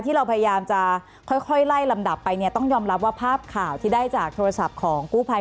ที่เราพยายามจะค่อยไล่ลำดับไปเนี่ยต้องยอมรับว่าภาพข่าวที่ได้จากโทรศัพท์ของกู้ภัย